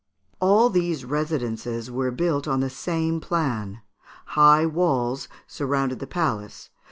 All these residences were built on the same plan. High walls surrounded the palace.